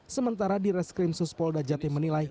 pertanyaan yang ke tiga dari pilihan pimpinan adalah